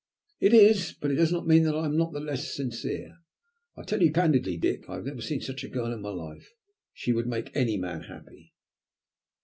"It is, but it does not mean that I am any the less sincere. I tell you candidly, Dick, I have never seen such a girl in my life. She would make any man happy."